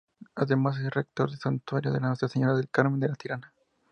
Además, es Rector del Santuario de Nuestra Señora del Carmen de La Tirana.